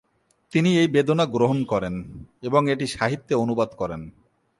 তিনি এই বেদনা গ্রহণ করেন, এবং এটি সাহিত্যে অনুবাদ করেন।